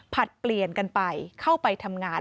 เปลี่ยนกันไปเข้าไปทำงาน